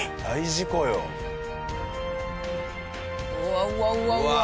うわうわうわうわっ！